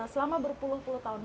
selama berpuluh puluh tahun